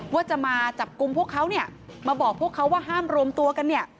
ว่าจะมาจับกลุ่มพวกเขาเนี่ยมาบอกพวกเขาว่าห้ามรวมตัวกันเนี่ย